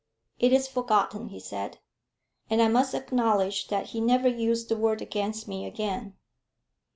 "It is forgotten," he said; and I must acknowledge that he never used the word against me again.